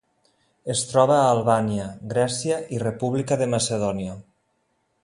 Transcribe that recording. Es troba a Albània, Grècia i República de Macedònia.